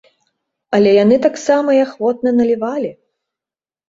Але яны таксама і ахвотна налівалі.